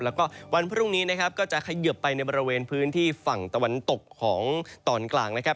แล้วก็วันพรุ่งนี้นะครับก็จะเขยิบไปในบริเวณพื้นที่ฝั่งตะวันตกของตอนกลางนะครับ